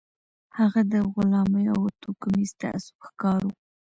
هغه د غلامۍ او توکميز تعصب ښکار و.